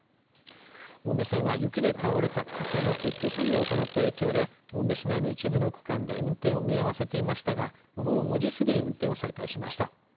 青梅線は雪で倒れた竹の撤去作業を行った影響で青梅市内の一部の区間で運転を見合わせていましたが午後５時過ぎに運転を再開しました。